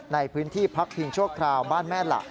ในพื้นที่พักพิงชั่วคราวบ้านแม่หละ